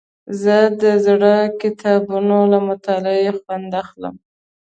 زه د زړو کتابونو له مطالعې خوند اخلم.